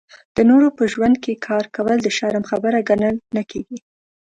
د نورو په ژوند کې کار کول د شرم خبره ګڼل نه کېږي.